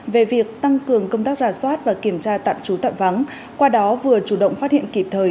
về việc tăng cường công tác giả soát và kiểm tra tạm trú tạm vắng qua đó vừa chủ động phát hiện kịp thời